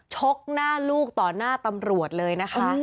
ชกหน้าลูกต่อหน้าตำรวจเลยนะคะ